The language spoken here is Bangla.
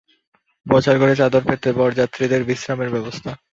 বসার ঘরে চাদর পেতে বরযাত্রীদের বিশ্রামের ব্যবস্থা।